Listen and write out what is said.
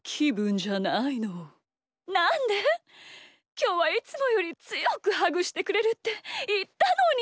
きょうはいつもよりつよくハグしてくれるっていったのに！